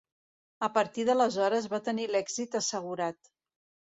A partir d'aleshores, va tenir l'èxit assegurat.